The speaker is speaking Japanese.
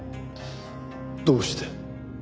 どうして？